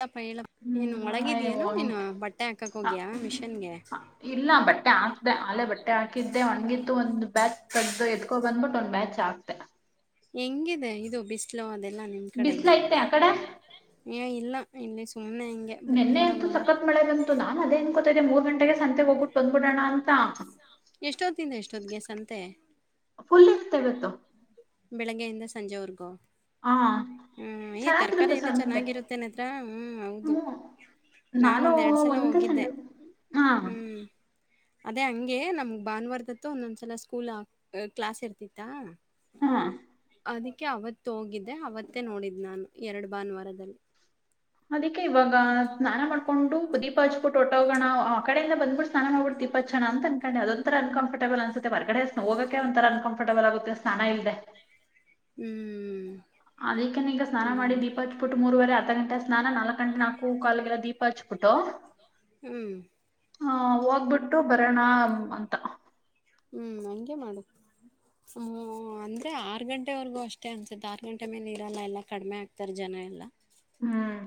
ಹೇಳಪ್ಪ ಹೇಳಪ್ಪ ಏನು ಹ್ಮ್ ನಯ ಒಳಗಿದ್ಯೇನು ನೀನು ಹಗೆ ಬಟ್ಟೆ ಹಾಕಕ್ ಹೋಗ್ಯಾ ಮಿಷನ್ಗೆ ಇಲ್ಲ ಬಟ್ಟೆ ಹಾಕ್ದೆ ಆಲೆ ಬಟ್ಟೆ ಹಾಕಿದ್ದೆ ಒಗಿತ್ತುು ಒಂದ್ ಬ್ಯಾಚ್ ತಗ್ದು ಎ ಬಂದ್ಬಿಟ್ಟು ಒಂದ್ ಮ್ಯಾಚ್ ಆಗ್ತೆ ಹೆಂಗಿದೆ ಇದು ಬಿಸಿಲೋ ಅದೇ ಇಲ್ಲ ನಿಮ್ಮ್ ಬಿಸ್ಲ ಕಡೆಗೆ ಐತೆ ಆ ಇಲ್ಲ ಇಂಗ್ ನೆನ್ನೆಂತು ಸಕ್ಕತ್ ಮಳೆ ಬಂತು ನಾನನ್ ಅದೇ ಅನ್ಕೊತ್ತಿದ್ದೆ ಮೂರು ಗಂಟೆ ಸಂತ ಹೋಗ್ಬಿಟ್ ಬಂದು ಬುಡಣ್ಣ ಅಂತ ಎಷ್ಟೊತ್ತಿಂದ ಎಷ್ಟೊತ್ತಿಗೆ ಸಂತೆ [unintelligible] ಬೆಳಿಗ್ಗೆ ಇಂದ ಸಂಜೆ ವರ್ಗು ಹಾ ಹ್ಮ್ ಏ ತರಕಾರಾರಿ ಚೆನ್ನಾಗಿರುತ್ತೆ ಎಲ್ಲ ಸಂತೆ ಚೆನ್ನಾಗಿರುತ್ತೇ ನೇತ್ರ ಹ್ಮ್ ಹೌದು ಹ್ಮ್ ನಾನು ನಾನೊಂದ್ ಎರಡ್ ಸಲ ಒಂದೇ ಹೋಗಿದ್ದೆ ಸಂಡೆ ಹಾ ಹ್ಮ್ ಅದೇ ಹಂಗೆ ನಮ್ಗ್ ಭಾನುವಾರದತ್ತು ಒಂದೊಂದ್ಸಲ ಸ್ಕೂಲ್ ಆ ಕ್ಲಾಸ್ ಇರ್ತಿತ್ತ ಹಾ ಅದಕ್ಕೆ ಅವತ್ತು ಹೋಗಿದ್ದೆ ಅವತ್ತೇ ನೋಡಿದ್ ನಾನು ಎರಡು ಭಾನುವಾರದಲ್ಲಿ ಅದಕ್ಕೆ ಇವಾಗ ಸ್ನಾನ ಮಾಡ್ಕೊಂಡು ದೀಪ ಹಚ್ಬಿಟ್ಟ ಓಟ ಹೋಗೋಣ ಆ ಕಡೆಯಿಂದ ಬಂದ್ಬಿು ಸ್ನಾನ ಮಾಡ್ಬಿ ದಪ ಹಚ್ಣ ಅನ್ಕೊಂಡೆ ಅದ ಒಂರ ಅನ್ಕಂಫರ್ಟೆಲ್ ಅನ್ಸೆ ಹೊರ್ಗಡೆ ಹೋಗೋಕ ಒಂಥರ ಅನ್ಕಂಫರ್ಟಬಲ್ ಆಗುತ್ತೆ ಸ್ನಾನ ಇಲ್ಲದೆ ಹ್ಮ್ ಅದಕ್ಕನ್ ಈಗ ಸ್ನಾನ ಅದೇ ಮಾಡಿ ಅದೇ ದೀಪ ಹಚಿಬಿಟ್ಟು ಮೂರವರೆ ಅತ್ತು ಗಂಟ ಸ್ನಾನ ನಾಲಕ್ ಗಂಟೆ ಹೂ ಕಾಲಗೆಲ್ಲ ದೀಪ ಹಚ್ಬಿಟ್ಟು ಹ್ಮ್ ಹ ಹೋಗ್ಬಿಟ್ಟು ಬರೋಣ ಅಂತ ಹ್ಮ್ ಹಂಗೆ ಮಾಡುದು ಅಂದ್ರೆ ಆರು ಗಂಟೆವರೆಗೂ ಅಷ್ಟೇ ಅನ್ಸುತ್ತೆ ಆರ್ ಗಂಟೆ ಮೇಲೆ ನೀರೆಲ್ಲ ಎಲ್ಲ ಕಡಿಮೆ ಆಗ್ತಾರ ಜನ ಎಲ್ಲಾ ಹ್ಮ್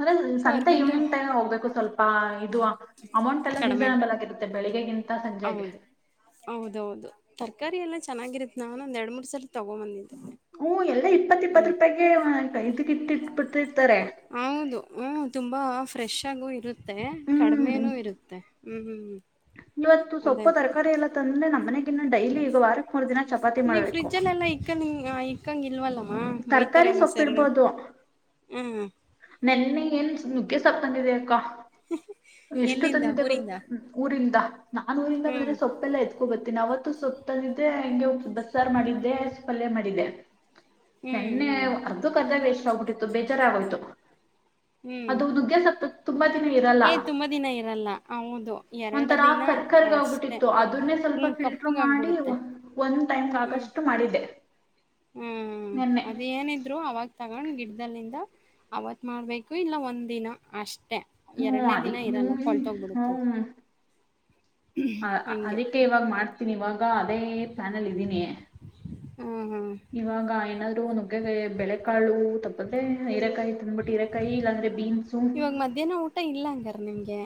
ಅದರ್ ಸಂತೆ ಗಂಟೆ ಇವಿನಿಂಗ್ ಟೈಮ್ ಹೋಗ್ಬೇಕು ಸ್ವಲ್ಪ ಇದು ಅಮೌಂಟ್ ಎಲ್ಲ ಕಡಿಮೆ ರೀಸನೇಬಲ್ ಆಗಿರುತ್ತೆ ಬೆಳಿಗ್ಗಿಂತ ಹೌದು ಹೌದೌದು ತರಕಾರಿ ಎಲ್ಲ ಚನ್ನಾಗಿರತ್ತ ನಾನ ಒಂದ ಎರಡ್ ಮೂರ್ ಸಲ ತಗೊ ಬಂದಿದ್ದಿ ಹ್ಮ ಎಲ್ಲಾ ಇಪ್ಪತ್ ಇಪ್ಪತ್ ರೂಪಾಯಿಗೆ ಇದಕ್ಕಿಟ್ಟಿಟ್ಬಿಟ್ಟಿರ್ತಾರೆ ಫ್ರೆಶಗು ಇರು ಮತ್ತೆ ಕಡಿಮೆನೂ ಇರುತ್ತೆ ಹ್ಮ್ ಹ್ಮ್ ಹ್ಮ್ ಇವತ್ತು ಸೊಪ್ಪು ತರಕಾರಿ ಎಲ್ಲ ತಂದ್ರೆ ನಮ್ಮ್ ಮನೆ ಇನ್ನು ಡೈಲಿ ಈಗ ವಾರಕ್ ಮೂರು ದಿನ ಚಪಾತಿ ಮಾಡ್ಬೇಕು ಕಂಗಿಲ್ವಲ್ಲ ಹಾ ಬಯ್ತಾರೆ ತರಕಾರಿ ನು ಸರರು ಸೊಪ್ಪಿಡ್ಬೋದು ಹ್ಮ ನೆನ್ನೆ ಏನ್ ನುಗ್ಗೆ ಸಾರ್ಕೊಂಡಿದ ಅಕ್ಕ ಎಷ್ಟು ಎಲ್ಲಿಂದ ತಂದಿದ್ದೆ ಗೊ ಊರಿಂದ ಊರಿಂದ ನಾನ್ ಊರಿಂದ ಹ್ಮ್ ಬಂದ್ರೆ ಸೊಪ್ಪೆಲ್ಲ ಎತ್ಕೋ ಬತ್ತೆ ಅವತ್ತು ಸಪ್ತಂದ ಇದೆ ಹೆಂಗೆ ಬಸಾರ್ ಮಾಡಿದ್ದೆ ಪಲ್ಯ ಮಾಡಿದ್ದೆ ಹ್ಮ್ ನೆನ್ನೆ ಹ್ಮ್ ಅದ್ದು ಕದ ವಷ ಬಟ್ಟಿತ್ತು ಬೇಜಾರ್ ಆಗ್ತೋತು ಹ್ಮ್ ಅದುದುಗೆಸತ ತುಂಬ ಇರಲ್ಲ ಏ ತುಂಬ ದಿನ ಇರಲ್ಲ ಹೌದು ಎರಡು ಒಂಥರ ದಿನ ಕರ್ಕರ್ಗ ಅಷ್ಟೆ ಆಗ್ಬಿಟ್ಟಿತ್ತು ಅದನ್ನೇ ಸ್ವಲ್ಪ ಹ್ಮ್ ಫಿಲ್ಟರ್ ಮಾಡಿ ಕಪ್ಪುಗಾಗ್ಬಿಡುತ್ತೆ ಒಂದ್ ಟೈಮ್ ಹ್ಮ್ ಆಗಷ್ಟು ಮಾಡಿದೆ ಹ್ಮ್ ಅದೇಏನಿದ್ರು ಅವಾಗ ತಗೊಂಡ್ ಗಿಡ್ದದಲ್ಲಿಂದ ಅವತ್ ಮಾಡ್ಬೇಕು ಇಲ್ಲ ಒಂದ್ ದಿನ ಅಷ್ಟ ಹ್ಮ ಅದಕ್ಕೆ ಹ್ಮ ಹ ಹಂಗೆ ಅದಕ್ಕೆ ಇವಾಗ್ ಮಾಡ್ತ ಇವಾಗ ಅದೇ ಪ್ಯಾಲ್ನ ಅಲ್ಲಿ ಇದ್ದೀನಿ ಹ್ಮ್ ಹ್ಮ್ ಇವ ಗಾಯನ ನುಗ್ಗೆ ಬೆಳೆ ಕಾಳು ತಪ್ಪದೆ ಹ ಕಾಯಿ ತಂದ್ಬಿಟ್ಟಿರ ಕಾಯಿ ಇಲ್ಲಾಂದ್ರೆ ಬೀನ್ಸು ಇವಾಗ ಮಧ್ಯಾಹ್ನ ಊಟ ಇಲ್ಲ ಹಂಗಾರ ನಿಮ್ಗೆ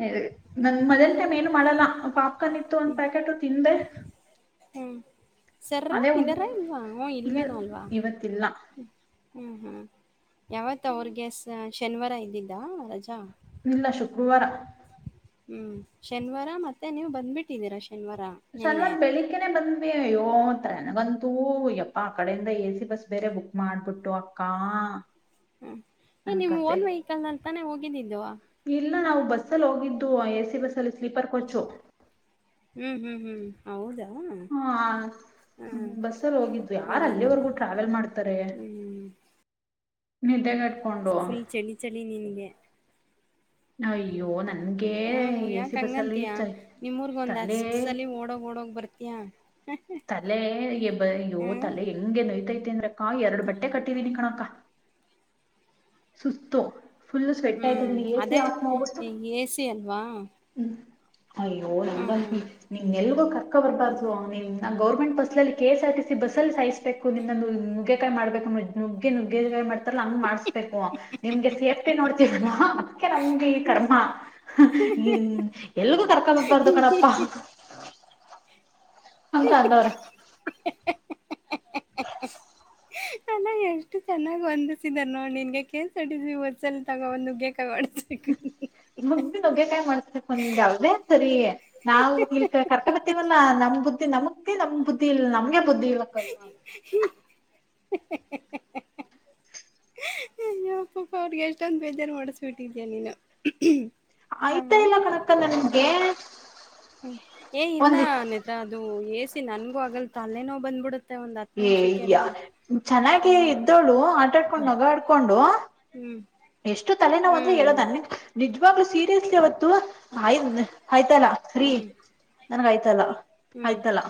ಹ ನನ್ ಮೊದಲ್ ಮೇ ಮಾಡಲ್ಲ ಪಾಪ್ಕಾರ್ನ್ ಇತ್ತು ಒಂದ್ ಪ್ಯಾಕೆಟ್ ತಿಂದೆ ಹ್ಮ್ ಸರ ಅದೇ ಇದ್ದಾರಾ ಇಲ್ವಾ ಹ್ಞೂ ಇ ಇಲ್ವೇನೋ ಅಲ್ವಾ ಇವತ್ತಲ್ಲ ಹ್ಮ್ ಹ್ಮ್ ಯಾವತ್ ಅವ್ರಗೆಸ. ಶನಿವಾರ ಇದ್ದಿಲ್ಲ ರಜಾ. ಇಲ್ಲ ಶುಕ್ರವಾರ. ಹ್ಮ್ ಶನಿವಾರ ಮತ್ತೆ ನೀವು ಬಂದ್ಬಿಟ್ಟಿದ್ದೀರ. ಸನವಾರ ಬೆಳಿಗ್ನೆ ಬಂದ. ಅಯ್ಯೋತ್ರನಗಂತೂ ಯಪ್ಪಾ ಆ ಕಡೆಯಿಂದ ಎ ಸಿ ಬಸ್ ಬೇರೆ ಬುಕ್ ಮಾಡ್ಬಿಟ್ಟು ಅಕ್ಕ. ಹ್ಮ ನನ್ ನಿಮ್ ಕತೆ ಓನ್ ವೆಹಿಕಲ್ ನಲ್ಲಿತಾನೆ ಹೋಗ ನೀಡಿಂದ. ಇಲ್ಲ ನಾವು. ಬಸ್ ಅಲ್ಲಿ ಹೋಗಿದ್ದು ಎ ಸಿ ಬಸ್ ಅಲ್ಲಿ. ಹ್ಮ ಹ್ಮ್ ಹ್ಮ್ ಹ್ಮ್ ಹೌದಾ. ಹ್ಮ್ ಹಾ ಬಸ್ಸಲ್ಲಿ ಹೋಗಿದ್ದು ಯಾರ ಅದೇ ಅದೇ ಅಲ್ಲಿವರೆಗೂ ಟ್ರಾವೆಲ್ ಮಾಡ್ತಾರೆ. ಹ್ಮ್ ನಿದ. ಫುಲ್ ಚಳಿ ಚಳಿ ನಿಿನಗೆ. ಅಯ್ಯೋ ನನ್ಗೆ ಹ್ಮ ಎ ಯಾಕ ಸಿ ಬಸ್ಸಲ್ಲಿ ಹಂಗಂತಯ ನಿಮ್ಮೂರ್ಗ ಒಂದ್ ತಲೆ ಅಷ್ಟ ಸಲ ಓಡೋಗ ಓಡೋಗ ಬರ್ತಯಾ. ತಲೆ ಎ ಬಯ್ಯೋ ತಲೆ ಹೆಂಗೆ ನೋಯ್ತೈತೆ. ಕೇಂದ್ರ ಹ ಎರಡು ಬಟ್ಟೆ ಕಟ್ಟಿವೀಿನಿ ಕಣಕ್ಕ. ಸುಸ್ತ. ಹ್ಮ್ ಅೇ ಎಸಿ ಅಲ್ವಾ. ಹ್ಮ್ ಅಯ್ಯೋ ನಂಗಂತಿ ಹ್ಮ್ ನಿಮ್ ನಲ್ಗೂ ಕರ್ಕ್ಕ ಬರ್ಬಾರ್ದು್ ಅದೇ ನಂಗ ಗೌರ್ವ. ಬಸ್ಲ್ಲಿ K S R TC bus ಅಲ್ಲಿ ಸಾಯಿಸ್ಬೇಕು ನಿಮ ನ ನುಗ್ಗೆಕಾಯಿ ಮಾಡಬೇಕು ನುಗ್ಗೆ ನುಗೆಕಾಯಿ್ತಾರಲ್ಲ್ ಮಾಡ. ಬೇಕು ನಿಮ್ಗೆ ಸೇಫ್ಟಿ ನೋಡ್ತೀವಿ ಅದಕ್ಕೆ ನಮಗೆ ಈ ಕರ್ಮ ನಿನ್ ಎಲ್ಗೂ ಕರ್ಕಬೇಕಬಾರ್ದು ಕಣಪ್ಪಾ. ಡ. ಹ ಚಂದವ್ರ. ಅಲ್ಲ [unintelligible] ಎಷ್ಟು ಚೆನ್ನಾಗ್ ಒಂದಿಸಿದಾರ ನೋ ನಿನ್ಗೆ ಕೇಸಡಿದ್ವಿ ಒ್ಲ ತಗೊ ಒಂದುಗೆ. ಮುಗ್ದಿ ನಗ್ಗೆಕಾಯ್ ಮಾಡ್ಸ್ಬೇಕು ನಿಮ್ಗೆ ಅದೇ ಸರಿ ನಾವು ಇ ಕರ್ತಗತಿವಲ್ಲ ನಮ್ ಬುದ್ಧಿ ನಮ. ನಮ್ ಬುದಿ ಇ ನಮಗೆ. ಬುದ್ದಳಕ್ಕ ಎಲ್ಲ. ಯ ಅಪ್ಪಪ್ಪ ಅವ್ರಿಗೆ ಎಷ್ಟೊಂದು ಬೇಜಾರು ಮಾಡಿಸ್ಬಿಟ್ಟಿದೀಯ ನೀನು. ಆಯ್ತಾ ಹಾ ಇಲ್ಲ ಕನಕಂದ ನನ್ಗೆ. ಹ್ಮ್. ಏ ಇಲ್ಲ ಒಂದ್ ಅನತ್ರಾ ಅದು ಎಷ್ಟ. ನನ್ಗೂಗಲ್ ಅಲ್ಲ ನವು ಬಂದ್ಬಿಡತ್. ಏಯ ಚೆನ್ನಾಗಿ ಹ್ಮ್ ಇದ್ದವಳು ಆಟಾಡ್ಕೊಂಡ್ ನಗಾ ಆಡ್ಕೊಂಡು. ಹ್ಮ್ ಎಷ್ಟು ತಲೆನೊವ ಅಂದ್ರೆ ಹ್ಮ್ ಹೇಳೋದು ನನ್ ನಿ್. ಇವಾಗಲ ಸೀರಿಯಸ್ಲಿ ಅವತ್ತು. ಆಯ್ತಿ ಆಯ್ತಿಲ್ಲ ರಿ ಹ್ಮ್ ನನ್ಗ ಆಯ್ತಿಲ್ಲ ಹ್ಮ್ ಆಯ್ತಿಲ್ಲ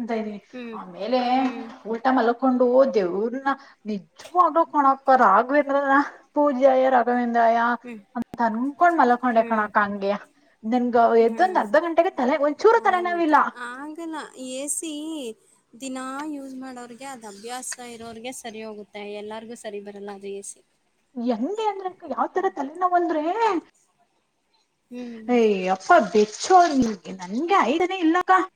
ಎಂತ ಇದ್ದೀವಿ ಹ್ಮ್ ಆಮೇಲೆ ಹ್ಮ್ ಉಲ್ಟ ಮಲಗು. ಮಕೊಂಡು ದೇವ್ರನ ನಿಜವಾಗ್ಲೂ ಕಣಕ ರಾಗ್ವೇಂದ್ರನ. ಪೂಜೆಯ ರಾಘವೇಂದ್ರ ಮ. ಅಯ್ ಅಂತ ಅನ್ಕೊಂಡ್ ಮಲಕೊಂಡೆ ಹ್ಮ್ ಕಣಕಂಗೆ ನನ್ಗ ಹ್ಮ್ ಎದ್ದೊಂದ್ ಅರ್ಧ ಹ್ಮ್ ಗಂಟೆಗೆ ತಲೆ ಒಂಚೂರು ಅದೇ ಮತ್ತೆ ತಲೆನೋವಿಲ್ಲ. ಆಗಲ್ಲ ಎ ಸಿ ಅದ್ ಅಭ್ಯಾಸ ಇರೋರ್ಗೆ ಸರಿ ಹೋಗುತ್ತೆ ಎಲ್ಲಾರ್ಗೂ ಸರಿ ಬರಲ್ಲ ಅದು ಎಸಿ. ಹೆಂಗೆ ಅಂದ್ರೆ. ಯಾವ್ ತರ ತಲೆನೋವು ಅಂದ್ರೆ. ಹ್ಮ್ ಏ ಅಪ್ಪ ಬಿಚ್ಚೋಳ ನಿಂಗೆ ನನ್ಗೆ ಐಡ್ಯಾನೇ ಇಲ್ಲ ಕಾ [unintelligible]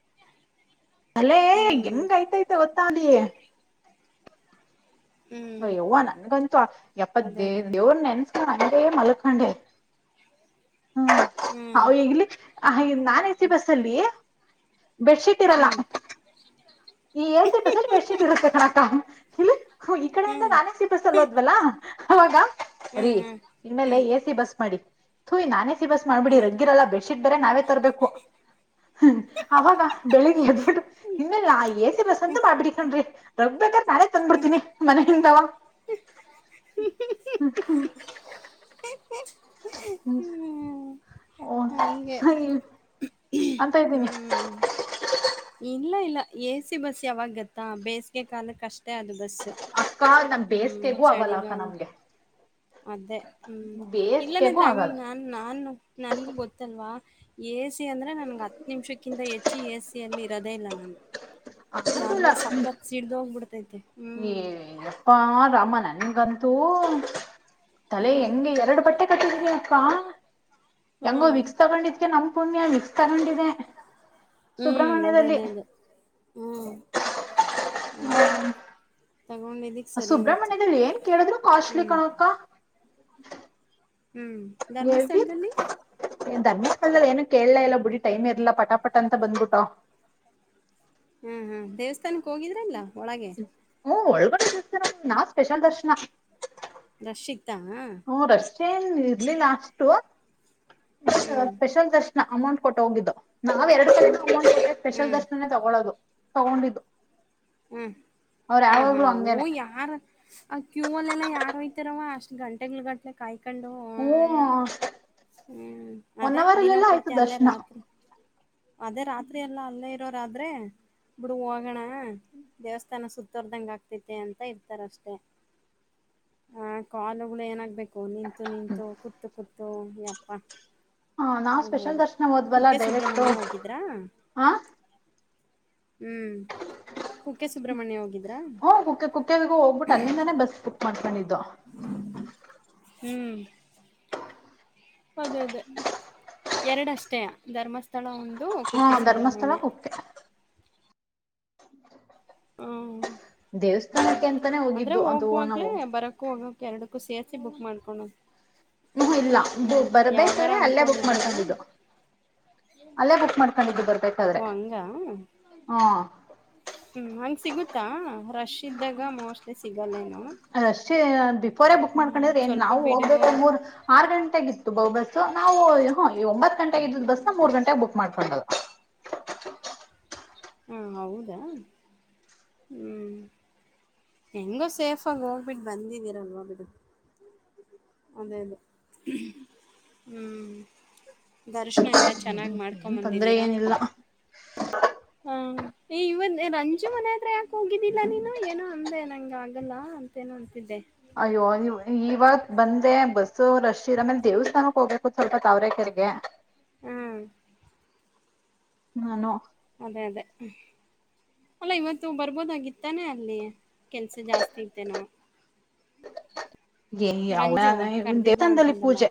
ತಲೆ ಹ್ಮ್ ಹೆಂಗ್ಯ್ತಐತ್ತಇತ್ತ ಗೊ ತಾನ ಅ ಹ್ಮ್ ಎವ್ವಾ ನನ್ಗಂತು ಎಪ್ಪತ್ ಅದೇ ಅದೇ ದೇವರ್ ನೆನ್ ನೆನಸ್ಕೊಡೇ ಮಲಕ್ಕಂಡ [unintelligible] ಹ್ಮ ಹ ಹ್ಮ್ ಈಗ್ಲಿ ನಾನ್ ಎಸಿ ಬಸ್ ಅಲ್ಲಿ ಬೆಡ್ ಶೀಟ್ ಇರಲ್ಲ ಹ್ಮ್ ಈ ಎಸಿ ಬಸ್ಸಲ್ಲಿ ಬೆಡ ಸಿಟ್ ಇರುತ್ತೆ ಅಕ್ಕಾ ಹ್ಮು ಓ ಈ ಕಡೆಯಿಂದ ಹ್ಮ್ ನಾನ್ ಎ ಸಿ ಬಸ್ ಅಲ್ಲಿ ಹೋದ್ವಲ್ಲಾ ಅವಾಗ ರೀ ಹ್ಮ್ ಹ್ಮ್ ಇನ್ಮೇಲೆ ಹ್ಮ್ ಎ ಸಿ ಬಸ್ ಮಾಡಿ ಓ ನಾನ ಎಸಿ [unintelligible] ಬಸ್ ಮಾಡ್ಬಿಡಿ ಹ್ಮ್ ರಗ್ಗಿರಲ್ಲ ಬೆಡ್ ಶೀಟ್ ಬೇರೆ ನಾವೇ ತರಬೇಕು ಅವಾಗ ಬೆಳಿಗ್ ಎದ್ಬಿಟ್ಟು ಇನ್ನೆಲ್ಲ ಆಯ ಎಸಿ ಬಸ್ಸಂತು [unintelligible] [unintelligible] ನಾನೇ ತಂದ್ಬಿಡ್ತೀನಿ ಮನೆಯಿಂದಾವ. ಹ್ಮ ಹ್ಮು [unintelligible] ಹ್ಮ್ ಓ ಹಂಗೆ ಹಾಗ ಅಂತ ಇದ್ದೀನಿ ಹ್ಮ್ ಇಲ್ಲ ಇಲ್ಲ ಎ ಸಿ ಬಸ್ ಯಾವಾಗ ಗೊತ್ತಾ ಬೇಸಿಗೆ ಕಾಲಕ್ಕೆ ಅಷ್ಟೇ ಅದು ಬಸ್ ದ ಅಕ್ಕ ನಮ್ [unintelligible] ಹ್ಮ್ ಬೇಸಿಗೆಗೂ ಆಗಲ್ಲ ಅಕ್ಕ ಚಳಿಗಾಲ ನಮ್ಗೆ ಅದೇ ಹ್ಮ್ ಇಲ್ಲನ ಬೇಸಿಗೆಗೂ ಹಂಗ ಆಗಲ್ಲ ನಾನ್ ನಾನು ನನ್ಗೂ ಗೊತ್ತಲ್ವಾ [unintelligible] [inaudible] ಆಗದಿಲ್ಲ ಅಲ್ಲೇ ಸಕ್ಕತ್ ಸಿಡ್ದ ಹೋಗ್ಬಿಡ್ತೈತೆ ಏ ಯಪ್ಪ ರಾಮ ನನ್ಗಂತೂ ತಲೆ ಹ್ಮ್. ಹೆಂಗೆ ಎರಡು ಬಟ್ಟೆ ಕಟ್ಟಿದಿನಿ [unintelligible] ಹೆಂಗೋ ಹ್ಮ್. ವಿಕ್ಸ್ ತಗೊಂಡಿದ್ಕ ನಮ್ ಪುಣ್ಯ ವಿಕ್ಸ್ ತಗೊಂಡಿದೆ. ಹ್ಮ್ ಸುಬ್ರಹ್ಮಣ್ಯದಲ್ಲಿ ಅದೇನೆ ಅದೇ ಅದೇ ಹ್ಮ್ ಅದೇ ತಗೊಂಡಿದ್ದಿಕ್ ಸರಿ ಹೋಯ್ತು. ಸುಬ್ರಹ್ಮಣ್ಯದಲ್ಲಿ ಏನ್ ಕೇಳಿದ್ರು ಕಾರ್ಟ್ಲಿ ಹ್ಮ್. ಕಣ್ಣಪ್ಪ. [unintelligible] ಹ್ಮ್ ಧರ್ಮಸ್ಥಳದಲ್ಲಿ ಧನ್ಯ ಕಳ್ಳಲ್ಲಿ ಏನು ಕೇಳಲ ಎಲ್ಲ ಬಿಡಿ ಟೈಮ್ ಇರ್ಲ ಪಟಾಪಟ ಅಂತ ಬಂದ್ಬಿಟ್ಟ ಹ್ಮ ಹ್ಮ್ ದೇವಸ್ಥಾನಕ್ಕೆ ಹೋಗಿದ್ರಲ್ಲ. ಒಳಗೆ ಹ್ಮ್ ಒಳಗಡ್. ನಾ ಸ್ಪೆಷಲ್ ದರ್ಶನ. ರಶಿಕ್ ಹಾ. ಹ್ಮ್ ರಶ್ ಏನ್ ಇರ್ಲಿಲ್ಲ ಅಷ್ಟು ಹ್ಮ್. ಸ್ಪೆಷಲ್ ದರ್ಶನ್. ಅಮೌಂಟ್ ಕೊಟ್ಟ ಹೋಗಿದ್ದು ನಾವ್ ಎರಡು ಸಾವಿರ. ಸ್ಪೆಷಲ್ ಹ್ಮ್. ದರ್ಶನನೇ ತಗೊಳ್ಳೋದು. ತಗೊಂಡಿದ್ದು ಹೂ ಅವ್ರು ಹೂ ಹೂ ಯಾವಾಗ್ಲೂ ಓ ಹಂಗೇನೆ ಯಾರ ಆ ಕ್ಯೂಲ್ಲ ಎಲ್ಲ ಯಾರ್ ಹೋಯ್ತಾರವ ಅಷ್ಟ ಗಂಟೆ ಗಂಟ್ಲೆ ಕಾಯ ಕೊಂಡು ಹೂ ಹ್ಮ್ ಒನ್ ಅದೇ ಅವರ್ ಅಲ್ಲೆಲ್ಲ ಆಯ್ತು ದಿನಪೂರ್ತಿ ಅಲ್ಲೇ ದರ್ಶನ ರಾತ್ರಿ ಅದೇ ರಾತ್ರಿ ಎಲ್ಲಾ ಅಲ್ಲೇ ಇರೋರಾದ್ರೆ ಬುಡು ಹೋಗಣ ದೇವಸ್ಥಾನ ಸುತ್ತೋರ್ದಂಗ ಆಗ್ತತೆ ಅಂತ ಇರ್ತಾರ ಅಷ್ಟೆ ಆ ಕಾಲುಗಳು ಏನಾಗ್ಬೇಕು. ನಿಂತು ನಿಂತು ಕೂತು ಕೂತು ಯಪ್ಪ ಹ ನಾವ್ ಅದೇ ಸ್ಪೆಷಲ್ ಅದೇ ದರ್ಶನ ಹೋದ್ವಲ್ಲ ಕುಕ್ಕೆ ಡೈರೆಕ್ಟ್ ಸುಬ್ರ್ಮಣ್ಯ ಹೋಗಿದ್ರಾ. ಹ ಹ್ಮ್ ಕುಕ್ಕೆ ಸುಬ್ರ್ಮಣ್ಯ ಹೋಗಿದ್. ಹುಂ ಕುಕ್ಕೆ ಕುಕ್ಕೆಗು ಹೋಗ್ಬಿಟ್ಟ ಅಲ್ಲಿಂದಾನೆ ಬಸ್ ಬುಕ್ ಮಾಡ್. [unintelligible] ದ. ಹೂ ಅದೇ ಅದೇ ಎರಡ ಅಷ್ಟೇ ಧರ್ಮಸ್ಥಳ ಒಂದ್ ಹಾ ಧರ್ಮಸ್ಥಳಕ್ಕೆ ಕುಕ್ಕೆ ಸುಬ್ರಮಣ್ಯ ಹ ದೇವಸ್ಥಾನಕ್ಕೆ ಎಂತಾನೇ ಹೋಗಿದ್ದು ಅದು ಹೋಗುವಾಗ್ಲೇ ನಾವು ಬರಕ್ಕೂ ಹೋಗಕ್ ಎರಡಕ್ಕೂ ಸೇರ್ಸಿ ಬುಕ್ ಮಾಡ್ಕೋಣ ಹೂ ಇಲ್ಲ ಬರ್ಬೇಕ್ರೆ ಅಲ್ಲೇ ಬುಕ್ ಅನ್ಕೊಂಡಿದ್ರೇನು ಮಾಡ್ಕೊಂಡಿದ್ದು ಅಲ್ಲೇ ಬುಕ್ ಮಾಡ್ಕೊಂಡಿದ್ದು ಬರ್ ಬರಬೇಕಾದರೆ ಓ ಹಂಗ ಹೂ ಹಂಗೆ ಸಿಗುತ್ತಾ ರಶ್ ಇದ್ದಾಗ ಮೋಸ್ಟ್ಲಿ ಸಿಗಲ್ಲೇನು ಅದಷ್ಟೇ ಬಿಫೋರೆೇ ಬುಕ್ ಹ್ಮ್ ಮಾಡ್ಕೊಂಡಿದ್ರೆ ಏನ್ ಸ್ವಲ್ಪ ನಾವು ಬಿಡುವ ಹೋಗ್ಬೇಕ ಮೂರ್ ಆರು ಗಂಟೆಗಿತ್ತು ಾ ಬಸ್ಸ ನಾವು ಹ ಈ ಒಂಬತ್ತು ಗಂಟೆಗೆ ಇದ್ದ ಬಸ್ ನ ಮೂರ್ ಗಂಟೆಗೆ ಬುಕ್ ಮಾಡ್ಕೊಂಡದು ಚಾ ಹಾ ಹೌದಾ ಹೂ ಹೆಂಗೋ ಸೇಫ ಆಗಿ ಹೋಗ್ಬಿಟ್ಟು ಬಂದಿದ್ದೀರಲ್ವ ಬಿಟ್ಟ ಅದೇ ಅದೇ ಹ್ಮ್ ದರ್ಶನ ಎಲ್ಲ ಚೆನ್ನಾಗಿ್ ಏನ್ ತೊಂದ್ರೆ ಮಾಡ್ಕೊಬಂದಿದ್ದೀರಾ ಏನಿಲ್ಲ ಹಾ ಇವ ರಂಜು ಮನೆತ್ರ್ರೆ ಯಾಕೆ ಹೋಗಿದ್ದಿಲ್ಲಾ ನೀನು ಏನೋ ಅಂದೆ ನಂಗ ಆಗಲ್ಲ ಅಂತೇನು ಅಂತಿದ್ದೆ ಅಯ್ಯೋ ನೀ ಇವತ್ ಬಂದೆ ಬಸ್ ಸೊ ರಶ್ ಇರ ಆಮೇಲೆ ದೇವಸ್ಥಾನಕ್ಕೆ ಹೋಗ್ಬೇಕು ಸ್ವಲ್ಪ ತಾವರೆ ಕೆರೆಗೆ ಹ್ಮ್ ನಾನೋ ಅದೇ ಅದೇ ಅಲ್ಲ ಇವತ್ತು ಬರ್ಬೋದಾಗಿಿತ್ತಾನೆ ಅಲ್ಲಿ ಕೆಲ್ಸ ಜಾಸ್ತಿ ಇತೆೇನೋ ಏ ಯ ದೇವಸ್ಥಾನದಲ್ಲಿ ಅಂತಂದಲ್ಲ ಪೂಜೆ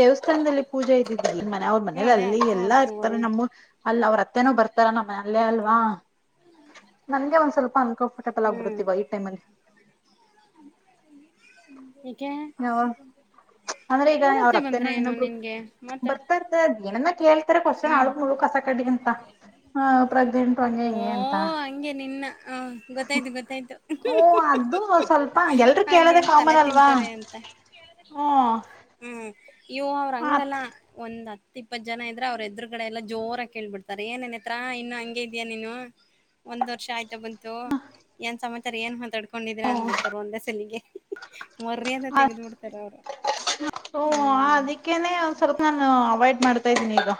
ದೇವಸ್ಥಾನದಲ್ಲಿ ಪೂಜೆ ಇದಿದ್ಿ ನ್ ಮನೆ ಅವ್ರ ಹ್ಮ ಅದೇ ಮನೇಲಿಲ್ಲಿ ಹತ್ತು ಎಲ್ಲಾ ಇರ್ತಾರೆ ಹತ್ತುವರೆ ನಮ್ಮ ಅಲ್ಲ ಅವ್ರ ಅತ್ತೆನೂ ಬರ್ತಾರ ನಮ್ಮ ಅಲ್ಲೇ ಅಲ್ವಾ [inaudible] ನಂಗೆ ಒಂದ್ ಸ್ವಲ್ಪ ಅನ್ಕೋ ಹ್ಮ್ [unintelligible] ಟೈಮ್ ಅಲ್ಲಿ [inaudible] ಕೆ ಅಂದ್ರೆ ಈಗ ಅವ ತ್ತ ಅವ್ರ ಬಂದ ಅತ್ತೆನೋ ಇನ್ನೊಬ್ರು ಬರ್ತಾ ಇರ್ತಾರೆ ಹ ಕಶನ್ ಅಳು ಹ್ಮ್ ಮುಳು ಕಸ ಕಡೆಗಿಂತ ಪ್ರಗ್ನೆಂಟ್ ಓ ಹಂಗೆ ನಿನ್ನ ಹ ಗೊತ್ತಾಯ್ತು ಗೊತ್ತಾಯ್ತು ಹೂ ಅದು ಸ್ವಲ್ಪ ಎಲ್ರೂ ಕೇಳೋದೆ ಅವಗೇನ್ ತಲೆ ಕಾಮನ್ ಅಲ್ವಾ ತಿಂತಾರೆ ಅಂತ ಹ್ಮ್ ಹೂ ಆಯಾ ಅವ್ರ ಹಂಗಲ್ಲ ಆತ್ ಒಂದ್ತ್ ಇಪ್ಪತ್ ಜನ ಇದ್ರೆ ಅವ್ರ ಎದ್ರುಗಡೆ ಎಲ್ಲ ಜೋರ ಕೇಳ್ಬಡ್ತ ಏನೇ ನೇತ್ರ ಇನ್ನು ಹಂಗೆ ಇದ್ದೀಯ ನೀನು [inaudible] ಒಂದ್ ವರ್ಷ ಆಯ್ತು ಬಂತು ಏನ್ ಸಮ [unintelligible] ಕೊಂಡಿದ್ರೆ ಅಂದ್ಬಿಡ್ತಾರ ಒಂದೆ ಸಲಿಗೆ ಮರ್ಯಾದೆ ಹಾ ತೆಗೆದ್ಬಿಡ್ತಾರ ಅವರು [inaudible] ಹ್ಮ್ ಅದಕ್ಕೇನೆ ಒಂದು ಸ್ವಲ್ಪ ನಾನು ಅವಾಯ್ಡ್ ಮಾಡ್ತಾ ಇದ್ದೀನಿ ಈಗ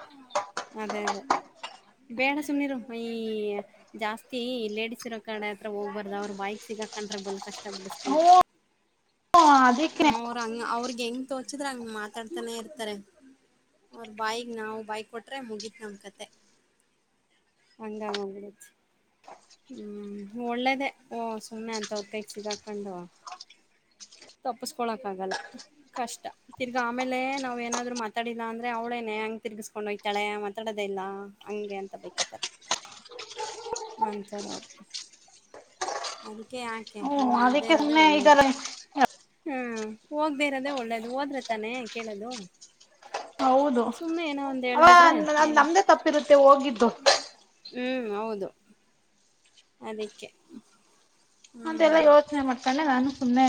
ಅದೇ ಅದೇ ಬೇಡ ಸುಮ್ಮಿರು ಈ ಜಾಸ್ತಿ ಲೇಡಿಸ್ ಇರೋ ಕಡೆ ಹತ್ರ ಹೋಗ್ಬಾರ್ದ ಅವರು ಬಾಯಿಗೆ ಸಿಗಕಂಡ್ರೆ ಬಲ್ ಕಷ್ಟ ಹ್ಮ [unintelligible] ಅದಕ್ಕೆ ಅವ್ರಂಗ ಅವ್ರಗ್ ಹೆಂಗ್ ತೋ ತೊಚ್ಚಿದ್ರ ಹಂಗ ಮಾತಾಡ್ತಾನೆ ಇರ್ತಾರೆ ಅವ್ರ ಬಾಯಿಗೆ ನಾವು ಬಾಯಿ ಕೊಟ್ರೆ ಮುಗೀತ್ ನಮ್ ಕತೆ ಹಂಗಂಗೋಗ್ಬಿಡತ್ ಹ್ಮ್ ಒಳ್ಳೇದ ಓ ಸುಮ್ಮನೆ ಅಂತ ಅವ್ರ ಕೈಗ್ ಸಿಗಾಕೊಂಡು ತಪ್ಪಸ್ಕೊಳಕ್ ಆಗಲ್ಲ ಕಷ್ಟ ತಿರ್ಗ ಆಮೇಲೆ ನಾವ್ ಏನಾದ್ರು ಮಾತಾಡಿಲ್ಲ ಅಂದ್ರೆ ಅವ್ಳೇನೆ ಹಂಗ ತಿರ್ಗಿಸಕೊಂಡೋಗ್ತಾಳೆ ಮಾತಾಡೋದೇ ಇಲ್ಲ ಹಂಗೆ ಅಂತ ಬೈಕತ್ತರೆ ಅಂತೋರು ಅವರು ಅದಕ್ಕೆ ಹ್ಮ್ ಹಂಗ್ ಮಾಡ್ದೇ ಅದಕ್ಕೆ ಇರೋದೆೇ ಸುಮ್ನೆ ಈಗ ಒಳ್ಳೇದು [inaudible] ಹ್ಮ್ ಹೋಗ್ದೇ ಇರೋದೇ ಒಳ್ಳೇದು ಹೋದ್ರ ತಾನೆ ಕೇಳದು ಹೌದು [inaudible] ಅವ ಅದು ಹೆಂಗ್ ನಮ್ದೇ ತಪ್ಪಿರುತ್ತೆ ಹೋಗಿದ್ದು ಹ್ಮ್ ಹೌದು ಅದಿಕ್ಕೆ ಅದೆಲ್ಲ ಯೋಚನೆ ಮಾಡ್ಕೊಂಡೆ ನಾನು ಸುಮ್ನೆ